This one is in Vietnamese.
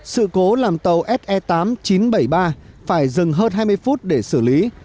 sự cố làm tàu se tám chín trăm bảy mươi ba phải dừng hơn hai mươi phút để xử lý